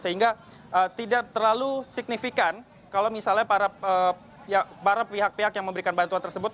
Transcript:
sehingga tidak terlalu signifikan kalau misalnya para pihak pihak yang memberikan bantuan tersebut